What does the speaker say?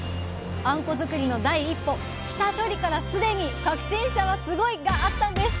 あんこづくりの第一歩下処理からすでに「革新者はスゴイ！」があったんです！